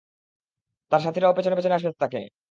তার সাথিরাও পেছনে পেছনে আসতে থাকে।